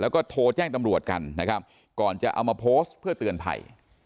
แล้วก็โทรแจ้งตำรวจกันนะครับก่อนจะเอามาโพสต์เพื่อเตือนภัย